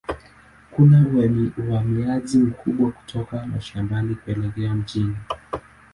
Kuna uhamiaji mkubwa kutoka mashambani kuelekea mjini.